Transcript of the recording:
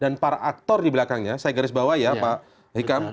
dan para aktor di belakangnya saya garis bawah ya pak hikam